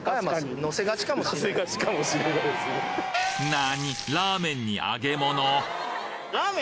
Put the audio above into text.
何？